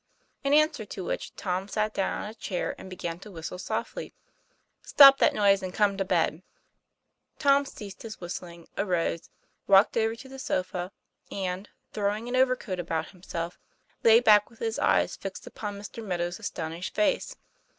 In answer to which Tom sat down on a chair and began to whistle softly. 'Stop that noise and come to bed." Tom ceased his whistling, arose, walked over to the sofa, and, throwing an overcoat about himself, lay back with his eyes fixed upon Mr. Meadow's as tonished face.